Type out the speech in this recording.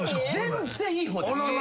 全然いい方です。